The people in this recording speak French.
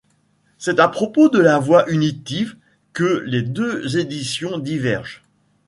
C'est à propos de la voie unitive que les deux éditions divergent.